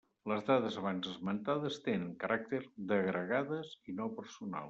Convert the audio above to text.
Les dades abans esmentades tenen caràcter d'agregades i no personals.